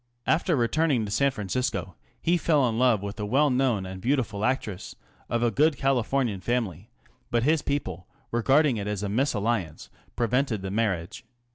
After returning to \ h Kir Character Sketch. 33i Francisco he fell in love with a well known and beautiful actress of a good Californian family, but his people, regarding it as a mesalliance^ prevented the marriage.